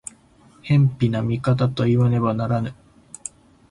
偏頗な見方といわねばならぬ。